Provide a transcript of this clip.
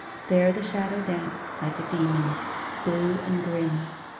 There the shadow danced like a demon, blue and grim.